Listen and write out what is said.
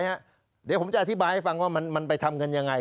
เดี๋ยวผมจะอธิบายให้ฟังว่ามันไปทำเงินยังไง